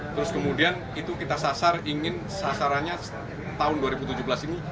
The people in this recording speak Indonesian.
terus kemudian itu kita sasar ingin sasarannya tahun dua ribu tujuh belas ini